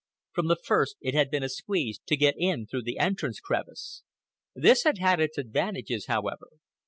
From the first it had been a squeeze to get in through the entrance crevice. This had had its advantages, however.